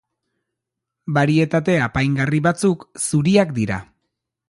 Barietate apaingarri batzuk zuriak dira.